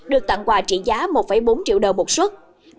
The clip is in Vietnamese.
được tặng quà trị giá một bốn triệu đồng một xuất